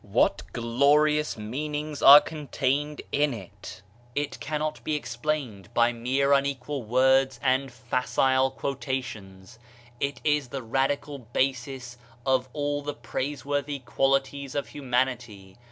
What glorious meanings are contained in iti It cannot be ex plained by mere unequal words and facile quota tions. It is the radical basis of all the praiseworthy qualities of humanity.